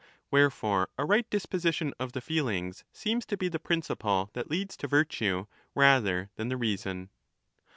Wherefore a right disposition of the feelings seems to be the principle that leads to virtue rather than the reason.